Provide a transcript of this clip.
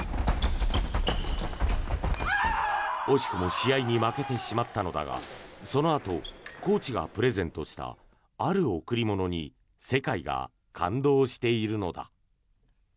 惜しくも試合に負けてしまったのだがそのあとコーチがプレゼントしたある贈り物に世界が感動しているのだ。